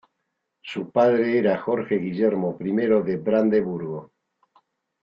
Su padre era Jorge Guillermo I de Brandeburgo.